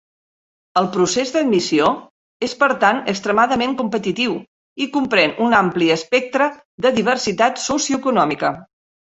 El procés d'admissió és per tant extremadament competitiu, i comprèn un ampli espectre de diversitat socioeconòmica.